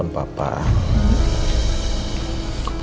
aku merasakan hidup papah